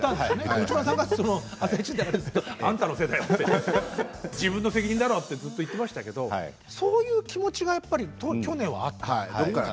内村さんが「あさイチ」の中で自分の責任だろうとずっと言っていましたけどそういう気持ちが去年はあったんです。